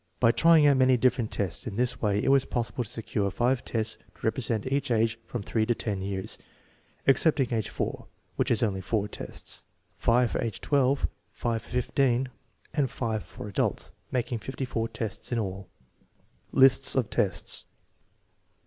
By trying out many different tests in this way it was possible to secure five tests to repre sent each age from 3 to 10 years (excepting age 4, which has only four tests), five for age 12, five for 15, and five for adults, making 54 tests in all. List of tests.